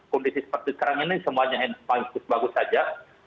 kondisi seperti sekarang ini semuanya bagus bagus saja